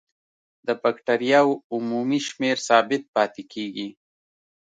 د بکټریاوو عمومي شمېر ثابت پاتې کیږي.